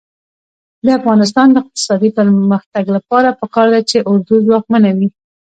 د افغانستان د اقتصادي پرمختګ لپاره پکار ده چې اردو ځواکمنه وي.